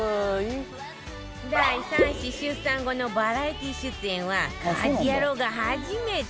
第３子出産後のバラエティー出演は『家事ヤロウ！！！』が初めて